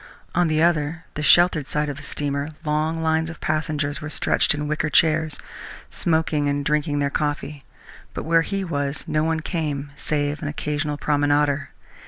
On the other, the sheltered side of the steamer, long lines of passengers were stretched in wicker chairs, smoking and drinking their coffee, but where he was no one came save an occasional promenader.